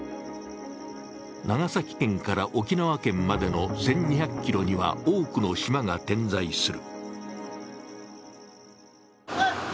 長崎県から沖縄県までの１２００ｋｍには多くの島が点在する。